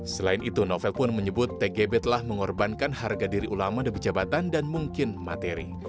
selain itu novel pun menyebut tgb telah mengorbankan harga diri ulama demi jabatan dan mungkin materi